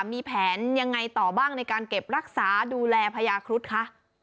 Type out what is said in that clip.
มีแผนยังไงต่อบ้างในการเก็บรักษาดูแลพญาครุฑคะ